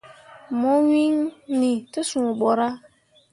Mo wŋni te sũũ borah.